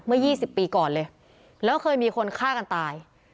เมื่อ๒๐ปีก่อนเลยแล้วเคยมีคนฆ่ากันตาย